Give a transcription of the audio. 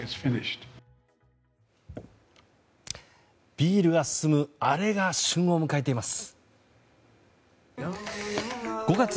ビールが進むアレが旬を迎えています。